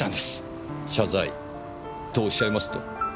謝罪とおっしゃいますと？